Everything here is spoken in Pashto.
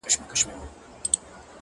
د سلگيو ږغ يې ماته را رسيږي،